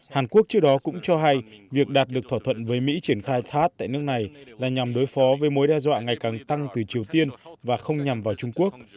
hàn quốc trước đó cũng cho hay việc đạt được thỏa thuận với mỹ triển khai tat tại nước này là nhằm đối phó với mối đe dọa ngày càng tăng từ triều tiên và không nhằm vào trung quốc